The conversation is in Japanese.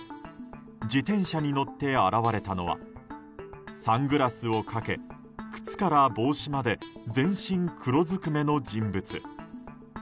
自転車に乗って現れたのはサングラスをかけ靴から帽子まで全身黒ずくめの人物。